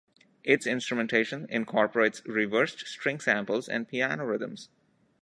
Its instrumentation incorporates reversed string samples and piano rhythms.